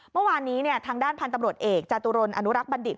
เมื่อวานนี้ทางด้านพันธุ์ตำรวจเอกจาตุรนอนุรักษ์บัณฑิต